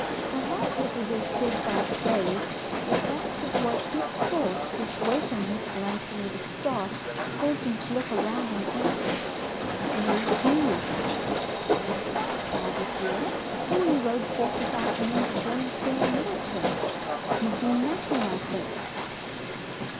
Perhaps it was her steadfast gaze, or perhaps it was his thoughts, which wakened Mr. Langston with a start, caused him to look quickly round and ask, —" Where is Henry ?''" Why, father dear, Henry rode forth this afternoon to join Colonel Middle ton. You have been napping, I think.